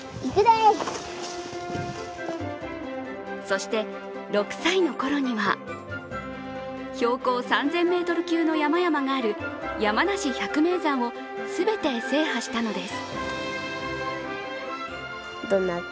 そして６歳の頃には標高３０００ｍ級の山々がある山梨百名山を全て制覇したのです。